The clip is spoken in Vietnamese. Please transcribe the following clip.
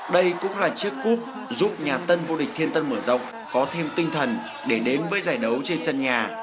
đây cũng là chiếc cúp giúp nhà tân vô địch thiên tân mở rộng có thêm tinh thần để đến với giải đấu trên sân nhà